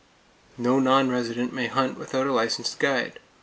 No non resident may hunt without a licensed guide.